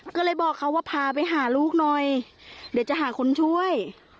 ก็เลยบอกเขาว่าพาไปหาลูกหน่อยเดี๋ยวจะหาคนช่วย